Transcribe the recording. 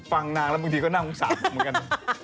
ฟังนางแล้วบางทีก็น่าสงสารผมเหมือนกันนะ